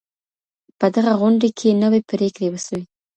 په دغه غونډې کي نوي پرېکړې وسوې.